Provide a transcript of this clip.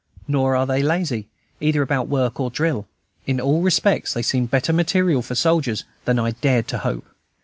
Nor are they lazy, either about work or drill; in all respects they seem better material for soldiers than I had dared to hope.